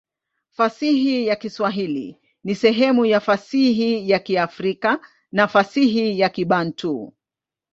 Fasihi ya Kiswahili ni sehemu ya fasihi ya Kiafrika na fasihi ya Kibantu.